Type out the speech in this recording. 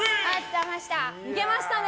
いけましたね！